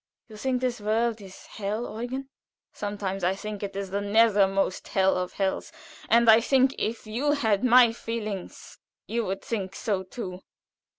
"You think this world a hell, Eugen?" "Sometimes I think it the very nethermost hell of hells, and I think if you had my feelings you would think so too.